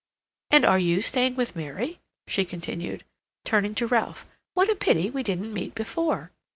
And are you staying with Mary?" she continued, turning to Ralph. "What a pity we didn't meet before."